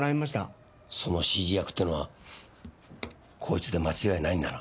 その指示役ってのはこいつで間違いないんだな？